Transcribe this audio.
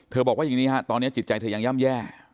เธอบอกว่าในตอนนี้จิตใจเธอยังย่ำแย่